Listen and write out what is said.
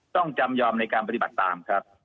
ต้องจำยอมในการปฏิบัติตามครับ